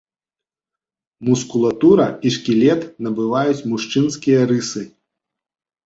Мускулатура і шкілет набываюць мужчынскія рысы.